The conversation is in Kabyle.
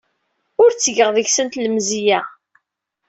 Ur ttgeɣ deg-sent lemzeyya.